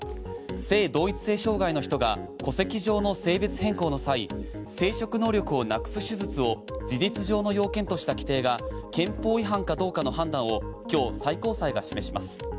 性同一性障害の人が戸籍上の性別変更の際生殖能力をなくす手術を事実上の要件とした規定が憲法違反かどうかの判断を今日、最高裁が示します。